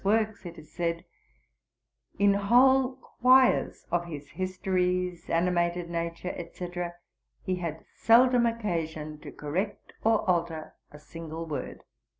113, it is said: 'In whole quires of his Histories, Animated Nature, &c., he had seldom occasion to correct or alter a single word.'